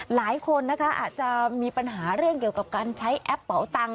หลายคนนะคะอาจจะมีปัญหาเรื่องเกี่ยวกับการใช้แอปเป๋าตังค